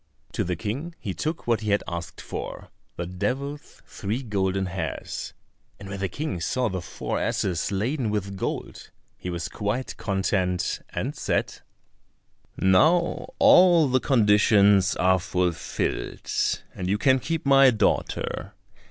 To the King he took what he had asked for, the devil's three golden hairs, and when the King saw the four asses laden with gold he was quite content, and said, "Now all the conditions are fulfilled, and you can keep my daughter.